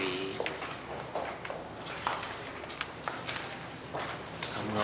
ibu juga sehat